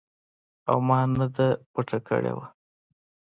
او ما نه دې پټه کړې وه.